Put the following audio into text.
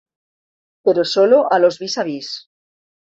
Pero sólo a los vis a vis".